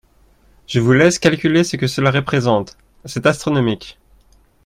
Je vous laisse calculer ce que cela représente, c’est astronomique